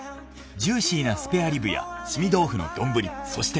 ジューシーなスペアリブや凍み豆腐の丼そして。